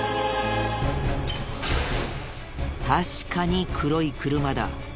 確かに黒い車だ。